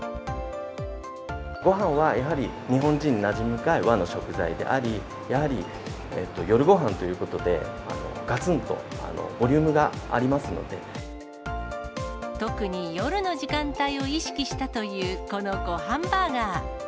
ごはんはやはり日本人になじみが深い和の食材であり、やはり夜ごはんということで、がつんとボリュームがありますの特に夜の時間帯を意識したというこのごはんバーガー。